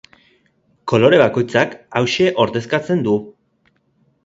Kolore bakoitzak hauxe ordezkatzen du.